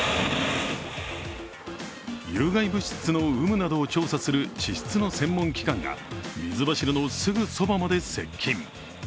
有害物質の有無などを調査する地質の専門機関が水柱のすぐそばまで接近。